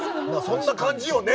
そんな感じよね